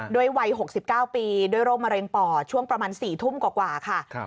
วัย๖๙ปีด้วยโรคมะเร็งปอดช่วงประมาณ๔ทุ่มกว่าค่ะ